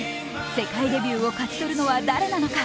世界デビューを勝ち取るのは誰なのか。